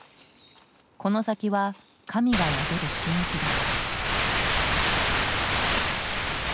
この先は神が宿る神域だ。